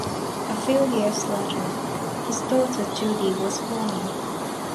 A few years later, his daughter Judy was born.